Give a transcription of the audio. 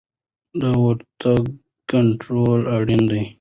د وارداتو کنټرول اړین دی.